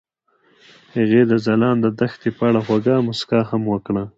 هغې د ځلانده دښته په اړه خوږه موسکا هم وکړه.